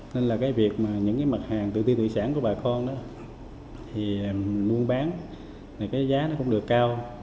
nên là cái việc mà những cái mặt hàng tự ti tự sản của bà con đó thì buôn bán cái giá nó cũng được cao